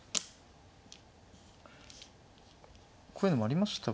こういうのもありましたか。